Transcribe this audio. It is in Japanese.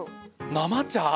生茶！